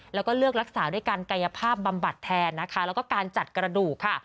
แล้วก็เลือกรักษาด้วยการกายภาพบำบัดแทนนะคะแล้วก็การจัดกระดูกค่ะ